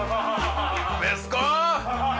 ベスコン！